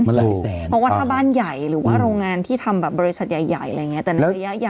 เพราะว่าถ้าบ้านใหญ่หรือว่าโรงงานที่ทำแบบบริษัทใหญ่อะไรอย่างเงี้ยแต่ในระยะอย่างโอเค